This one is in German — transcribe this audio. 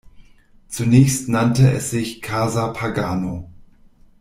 Zunächst nannte es sich "Casa Pagano".